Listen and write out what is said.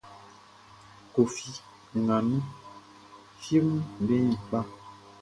Koffi nga nunʼn, fieʼm be ɲin kpa.